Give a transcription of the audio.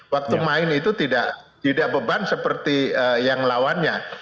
waktu main itu tidak beban seperti yang lawannya